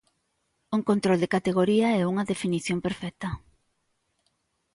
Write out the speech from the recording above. Un control de categoría e unha definición perfecta.